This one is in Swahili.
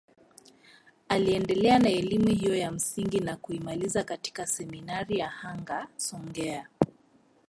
Aliendelea na elimu hiyo ya msingi na kuimaliza katika seminari ya Hanga Songea